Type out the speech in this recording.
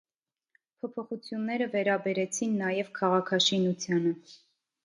Փոփոխությունները վերաբերեցին նաև քաղաքաշինությանը։